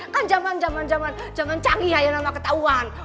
kan zaman zaman jangan canggih aja nama ketahuan